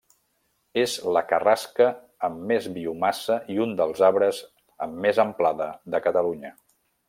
És la carrasca amb més biomassa i un dels arbres amb més amplada de Catalunya.